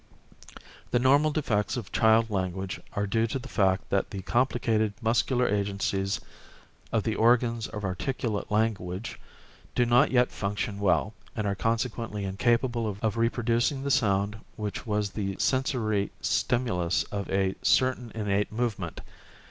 The normal defects of child language are due to the fact that the complicated muscular agencies of the organs of articulate language do not yet function well and are consequently incapable of reproducing the sound which was the sensory stimulus of a certain innate movement.